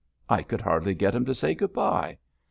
I could hardly get him to say good bye.